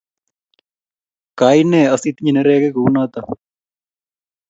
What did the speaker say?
kaine asitinye neregik kunoto?